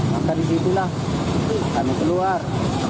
maka disitulah kami keluar